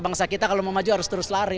bangsa kita kalau mau maju harus terus lari